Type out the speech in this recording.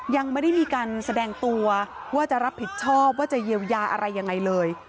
ยังไม่ได้มีการแสดงตัวว่าจะรับผิดชอบว่าจะเยียวยาอะไรยังไงเลย